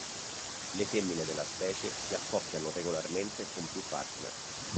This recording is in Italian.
Le femmine della specie si accoppiano regolarmente con più partner.